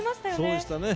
そうでしたね。